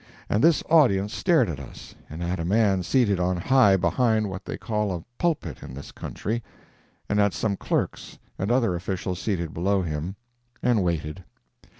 And this audience stared at us, and at a man seated on high behind what they call a pulpit in this country, and at some clerks and other officials seated below him and waited.